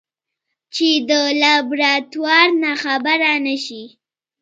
چې د لابراتوار نه خبره نشي.